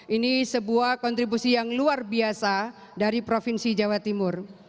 ini sebuah kontribusi yang luar biasa dari provinsi jawa timur